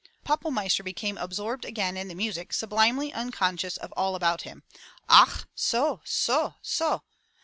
Pappelmeister became absorbed again in the music, sublimely unconscious of all about him. "Ach, so — so, — So!